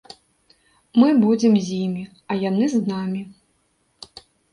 Мы будзем з імі, а яны з намі.